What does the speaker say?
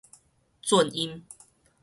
顫音